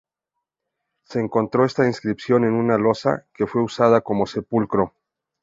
Se encontró está inscripción en una losa que fue usada como sepulcro.